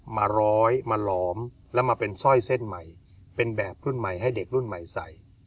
มาร้อยมาหลอมแล้วมาเป็นสร้อยเส้นใหม่เป็นแบบรุ่นใหม่ให้เด็กรุ่นใหม่ใส่